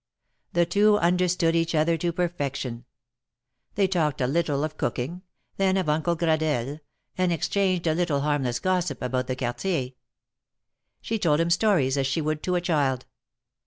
The two understood each other to perfection. They talked a little of cooking, then of Uncle Gradelle, and exchanged a little harmless gossip about the Quartier. She told him stories as she would to a child.